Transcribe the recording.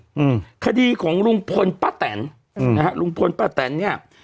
อืมคดีของลุงพลป้าแตนอืมนะฮะลุงพลป้าแตนเนี้ย